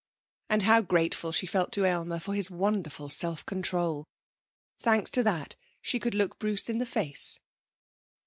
And how grateful she felt to Aylmer for his wonderful self control. Thanks to that, she could look Bruce in the face....